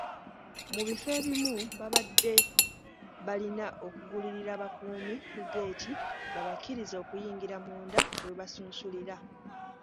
Mu bifo ebimu babadde balina okugulirira abakuumi ku ggeeti babakkirize okuyingira munda we basunsulira.